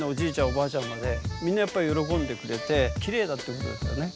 おばあちゃんまでみんなやっぱりよろこんでくれてきれいだっていうことですよね。